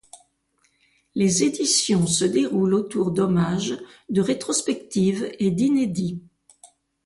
Les éditions se déroulent autour d'hommages, de rétrospectives et d'inédits.